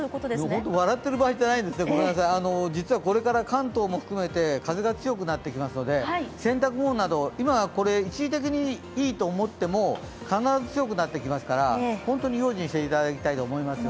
本当、笑っている場合じゃないんですが、実はこれから関東も含めて風が強くなってきますので、洗濯物など、今は一時的にいいと思っても、必ず強くなってきますから、本当に用心していただきたいと思います。